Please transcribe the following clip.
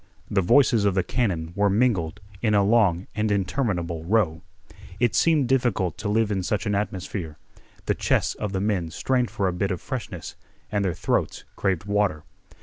The voices of the cannon were mingled in a long and interminable row. It seemed difficult to live in such an atmosphere. The chests of the men strained for a bit of freshness, and their throats craved water.